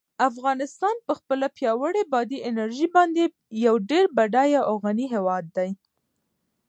افغانستان په خپله پیاوړې بادي انرژي باندې یو ډېر بډای او غني هېواد دی.